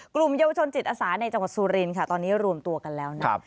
กลุ่มเยาวชนจิตอาสาในจังหวัดสุรินค่ะตอนนี้รวมตัวกันแล้วนะครับ